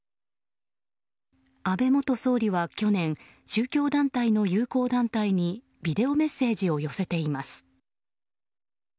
安倍元総理は去年宗教団体の友好団体にビデオメッセージを寄せています。